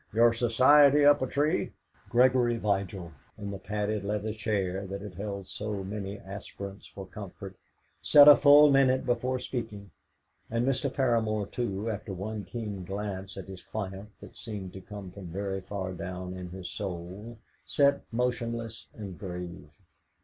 Your Society up a tree?" Gregory Vigil, in the padded leather chair that had held so many aspirants for comfort, sat a full minute without speaking; and Mr. Paramor, too, after one keen glance at his client that seemed to come from very far down in his soul, sat motionless and grave.